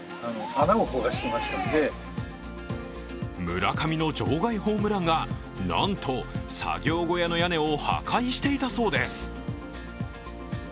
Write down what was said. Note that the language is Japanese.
村上の場外ホームランが、なんと作業小屋の屋根を破壊していたそうです。